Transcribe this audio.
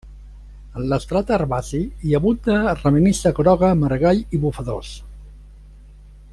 En l'estrat herbaci hi abunda ravenissa groga, margall i bufadors.